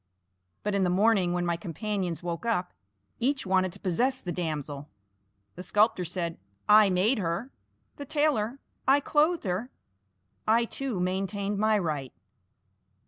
But in the morning when my companions woke up, each wanted to possess the damsel. The sculptor said, 'I made her;' the tailor, 'I clothed her.' I, too, maintained my right.